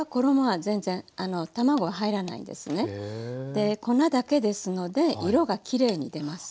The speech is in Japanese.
で粉だけですので色がきれいに出ます。